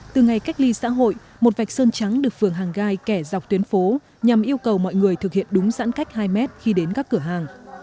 từ ngày cách ly xã hội một vạch sơn trắng được phường hàng gai kẻ dọc tuyến phố nhằm yêu cầu mọi người thực hiện đúng giãn cách hai mét khi đến các cửa hàng